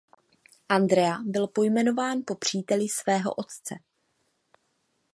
Andrea byl pojmenován po příteli svého otce.